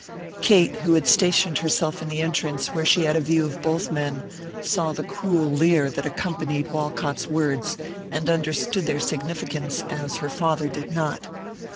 Kate, who had stationed herself in the entrance where she had a view of both men, saw the cruel leer that accompanied Walcott's words and understood their significance as her father did not.